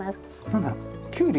何だろう？